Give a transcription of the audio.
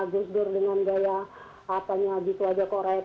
gusdur dengan gaya gitu aja korekot